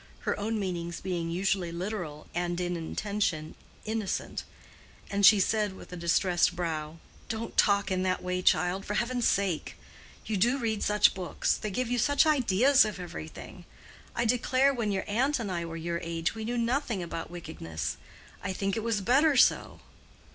Her own meanings being usually literal and in intention innocent; and she said with a distressed brow: "Don't talk in that way, child, for heaven's sake! you do read such books—they give you such ideas of everything. I declare when your aunt and I were your age we knew nothing about wickedness. I think it was better so."